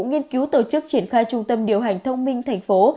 nghiên cứu tổ chức triển khai trung tâm điều hành thông minh thành phố